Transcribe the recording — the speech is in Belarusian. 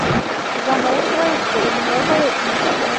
Замоўчваецца і многае іншае.